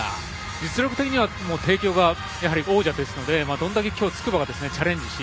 実力的には帝京が王者ですのでどれだけ筑波がチャレンジして。